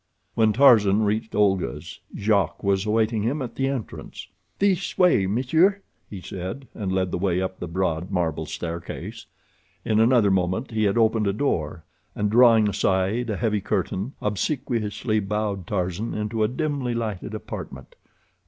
When Tarzan reached Olga's, Jacques was awaiting him at the entrance. "This way, Monsieur," he said, and led the way up the broad, marble staircase. In another moment he had opened a door, and, drawing aside a heavy curtain, obsequiously bowed Tarzan into a dimly lighted apartment.